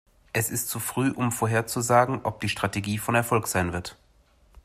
Es ist zu früh, um vorherzusagen, ob die Strategie von Erfolg sein wird.